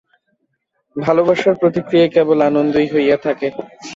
ভালবাসার প্রতিক্রিয়ায় কেবল আনন্দই হইয়া থাকে।